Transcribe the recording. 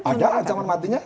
ada ancaman matinya